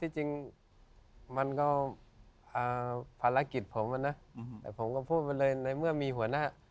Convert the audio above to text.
จริงมันก็ภารกิจผมนะแต่ผมก็พูดไปเลยในเมื่อมีหัวหน้า